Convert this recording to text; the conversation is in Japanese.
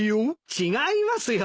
違いますよ。